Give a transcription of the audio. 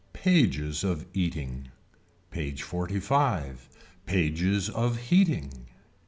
Pages of eating. PAGE XLV. Pages of heating.